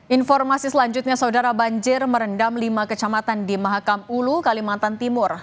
informasi selanjutnya saudara banjir merendam lima kecamatan di mahakam ulu kalimantan timur